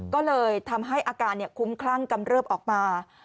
ก็เลยทำให้อาการคุ้มคลั่งกำเริบออกมา